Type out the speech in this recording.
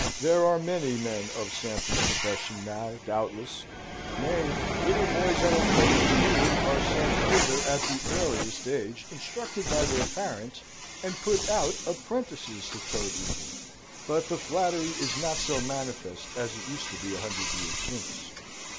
There are many men of Sampson's profession now, doubtless; nay, little boys at our public schools are sent thither at the earliest age, instructed by their parents, and put out apprentices to toad eating. But the flattery is not so manifest as it used to be a hundred years since.